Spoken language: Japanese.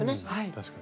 確かに。